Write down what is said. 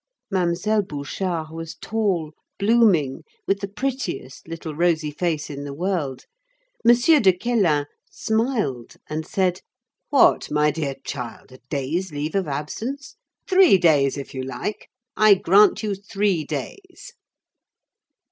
Mademoiselle Bouchard was tall, blooming, with the prettiest little rosy face in the world. M. de Quélen smiled and said, "What, my dear child, a day's leave of absence! Three days if you like. I grant you three days."